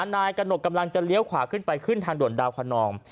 นายกระหนกกำลังจะเลี้ยวขวาขึ้นไปขึ้นทางด่วนดาวคนนอง